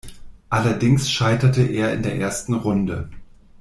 Allerdings scheiterte er in der ersten Runde.